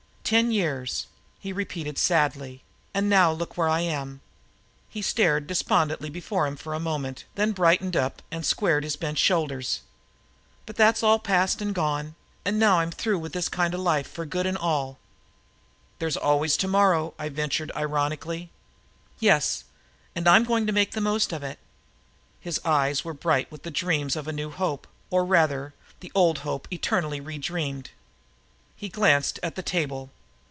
Ten years," he repeated sadly, "and now look where I am!" He stared despondently before him for a moment, then brightened up and squared his bent shoulders. "But that's all past and gone now, and I'm through with this kind of life for good and all." "There's always tomorrow," I ventured ironically. "Yes, and I'm going to make the most of it." His eyes were bright with the dream of a new hope; or rather, the old hope eternally redreamed. He glanced at the table.